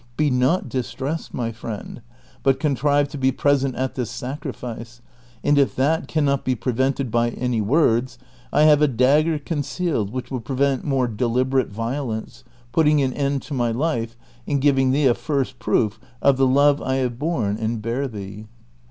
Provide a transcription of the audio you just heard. Be not distressed, my friend, but contrive to be present at this sacrifice, and if that can not be prevented by my words, I have a dagger concealed which will prevent more deliberate CHAPTER XXVII. 221 violence, putting an end to my life and giving thee a first proof of the love I have borne and bear thee."